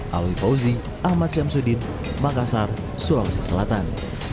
hingga sabtu dini hari polisi memilih mundur menghindari bentrokan yang memblokir jalan